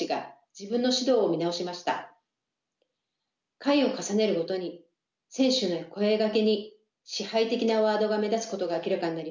回を重ねるごとに選手への声掛けに支配的なワードが目立つことが明らかになりました。